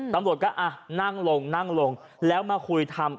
ตำรวจก็อ่ะนั่งลงนั่งลงแล้วมาคุยทำ